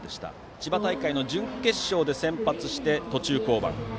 千葉大会の準決勝で先発して途中降板。